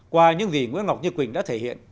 qua những gì nguyễn ngọc như quỳnh đã thể hiện